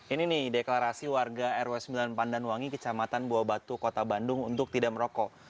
ini nih deklarasi warga rw sembilan pandanwangi kecamatan buah batu kota bandung untuk tidak merokok